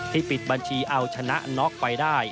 ปิดบัญชีเอาชนะน็อกไปได้